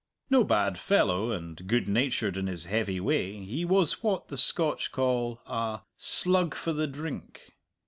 No bad fellow, and good natured in his heavy way, he was what the Scotch call a "slug for the drink."